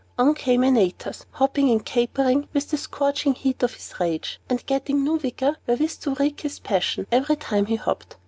On came Antaeus, hopping and capering with the scorching heat of his rage, and getting new vigor wherewith to wreak his passion, every time he hopped.